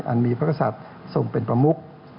อันมีพระกษัตริย์ทรงเป็นประมุก